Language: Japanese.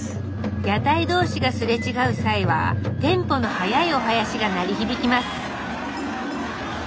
屋台同士が擦れ違う際はテンポの速いお囃子が鳴り響きます。